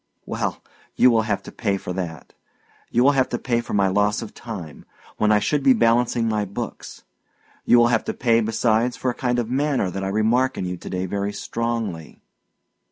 Well, you will have to pay for that; you will have to pay for my loss of time, when I should be balancing my books; you will have to pay, besides, for a kind of manner that I remark in you to day very strongly.